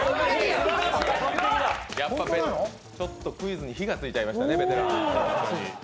クイズに火がついちゃいましたね、ベテラン。